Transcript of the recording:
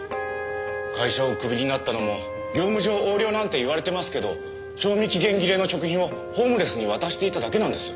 会社をクビになったのも業務上横領なんて言われてますけど賞味期限切れの食品をホームレスに渡していただけなんです。